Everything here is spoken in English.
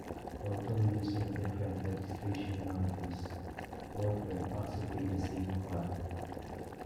Although using different registration numbers both were possibly the same car.